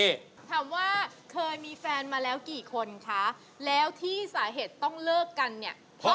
สวัสดีครับ